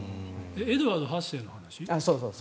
エドワード８世の話？